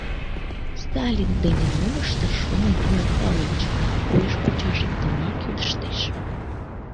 — Сталин дене мом ышташ шонет, Игнат Павлович? — уэш-пачаш иктымак йодыштеш.